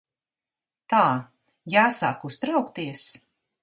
Tā. Jāsāk uztraukties?